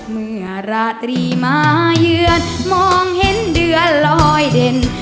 เมื่อราตรีมาเยือนมองเห็นเดือนลอยเด่น